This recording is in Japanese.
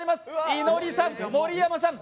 いのりさん、盛山さん